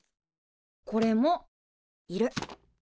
これもいる。